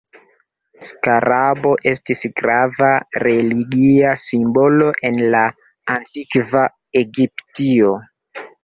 Skarabo estis grava religia simbolo en la Antikva Egiptio.